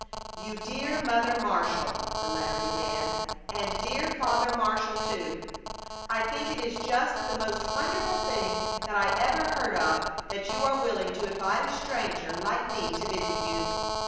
YOU DEAR MOTHER MARSHALL! [the letter began.] AND DEAR FATHER MARSHALL, TOO! I think it is just the most wonderful thing that I ever heard of that you are willing to invite a stranger like me to visit you!